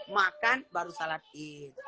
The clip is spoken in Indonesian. makan baru salat itu